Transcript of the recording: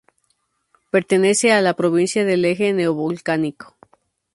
Pertenece a la provincia del Eje Neovolcánico.